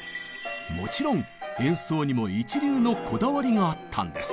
もちろん演奏にも一流のこだわりがあったんです。